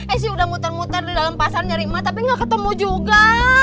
eh udah muter muter di dalam pasar nyari ibu tapi gak ketemu juga